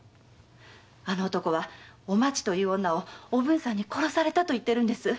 あの男はおまちという女をおぶんに殺されたと言ってます。